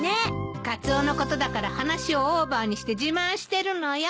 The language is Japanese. カツオのことだから話をオーバーにして自慢してるのよ。